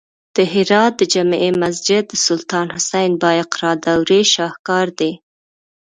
د هرات د جمعې مسجد د سلطان حسین بایقرا دورې شاهکار دی